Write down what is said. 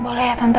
boleh ya tante